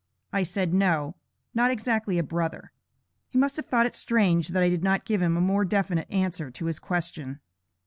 I said, no not exactly a brother. He must have thought it strange that I did not give him a more definite answer to his question.